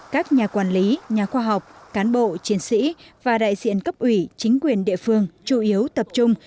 các nhà quản lý nhà khoa học cán bộ chiến sĩ và đại diện cấp ủy chính quyền địa phương chủ yếu tập trung